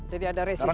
jadi ada resistensi